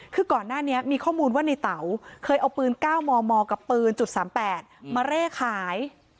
คือก่อนหน้านี้มีข้อมูลว่าในเต๋าเคยเอาปืน๙มมกับปืน๓๘มาเร่ขาย